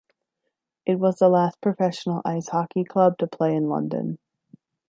It was the last professional ice hockey club to play in London.